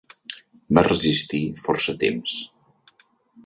Va resistir força temps.